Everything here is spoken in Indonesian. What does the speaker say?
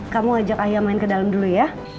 kamu ajak ayah main ke dalam dulu ya